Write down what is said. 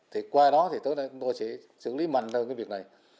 thì qua đó thì chúng ta sẽ xử lý mạnh hơn cái việc này